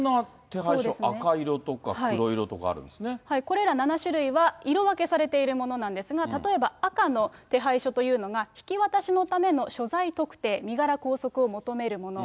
こんな手配書、これら７種類は、色分けされているものなんですが、例えば赤の手配書というのが、引き渡しのための所在特定、身柄拘束を求めるもの。